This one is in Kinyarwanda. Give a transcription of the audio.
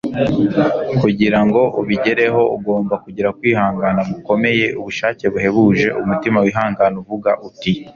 kugira ngo ubigereho, ugomba kugira kwihangana gukomeye, ubushake buhebuje. umutima wihangana uvuga uti